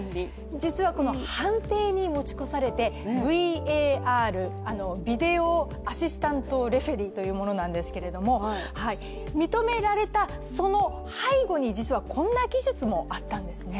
実はこの判定に持ち越されてＶＡＲ、ビデオ・アシスタント・レフェリーというものなんですけれども、認められたその背後に、実はこんな技術もあったんですね。